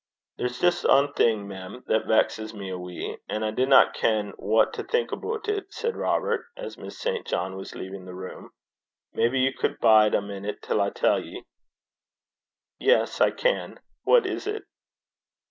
'There's jist ae thing mem, that vexes me a wee, an' I dinna ken what to think aboot it,' said Robert, as Miss St. John was leaving the room. 'Maybe ye cud bide ae minute till I tell ye.' 'Yes, I can. What is it?'